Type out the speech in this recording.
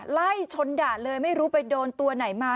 ไล่ชนด่าเลยไม่รู้ไปโดนตัวไหนมา